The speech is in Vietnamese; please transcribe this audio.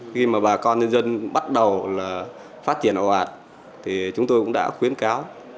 khi mà bà con nông dân bắt đầu phát triển ồ ạt thì chúng tôi cũng đã khuyến cáo